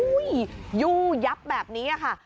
อุ้ยยับแบบนี้ค่ะ